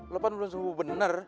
lo kan belum sembuh bener